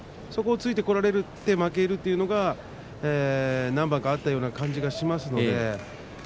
そこを突いてこられて負けるというのが何番かあったような気がします。